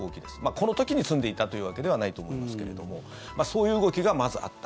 この時に積んでいたというわけではないと思いますけれどもそういう動きが、まずあった。